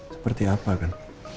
seperti apa kan